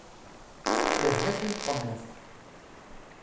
Lehlak imṭenneb.